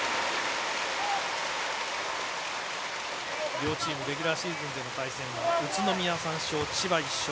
両チームレギュラーシーズンでの対戦は宇都宮３勝、千葉１勝。